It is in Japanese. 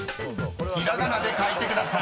［ひらがなで書いてください］